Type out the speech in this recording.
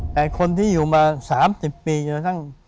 แต่คนที่อยู่มา๓๐ปีอยู่ทั้ง